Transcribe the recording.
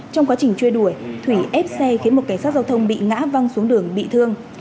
trong quá trình chơi đuổi thủy ép xe khiến một cảnh sát giao thông bị ngã văng xuống đường bị thương